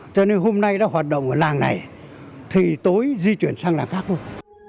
cho nên hôm nay nó hoạt động ở làng này thì tối di chuyển sang làng khác thôi